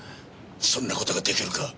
そんな事が出来るか。